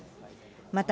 また、